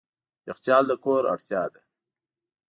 یخچال د کور اړتیا ده.